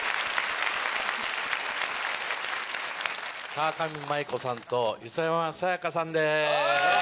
川上麻衣子さんと磯山さやかさんです。